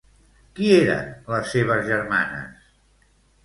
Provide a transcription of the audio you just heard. Qui eren les seves germanes?